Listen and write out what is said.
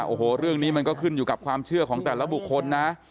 โอ้โหเรื่องนี้มันก็ขึ้นอยู่กับความเชื่อของแต่ละบุคคลนะ